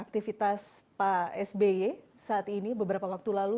aktivitas pak sby saat ini beberapa waktu lalu